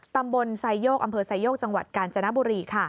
ตำบลไซโยกอำเภอไซโยกจังหวัดกาญจนบุรี